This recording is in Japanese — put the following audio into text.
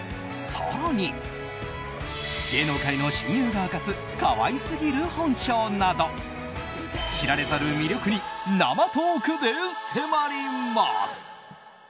更に、芸能界の親友が明かす可愛すぎる本性など知られざる魅力に生トークで迫ります。